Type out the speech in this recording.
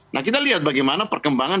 nah kita lihat bagaimana perkembangan